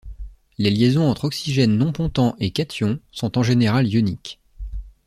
Les liaisons entre oxygènes non-pontants et cations sont en général ioniques.